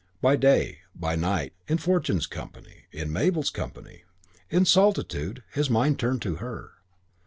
By day, by night, in Fortune's company, in Mabel's company, in solitude, his mind turned to her.